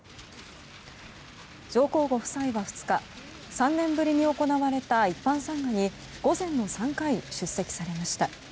上皇ご夫妻は２日３年ぶりに行われた一般参賀に午前の３回出席されました。